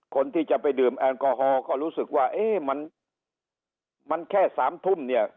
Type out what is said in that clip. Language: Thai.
คนที่จะไปดื่มแอลกอฮอลก็รู้สึกว่าเอ๊ะมันมันแค่สามทุ่มเนี่ย